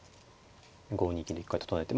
５二金で一回整えて。